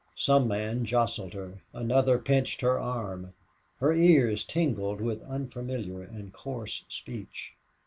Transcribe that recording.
Some man jostled her, another pinched her arm. Her ears tingled with unfamiliar coarse speech.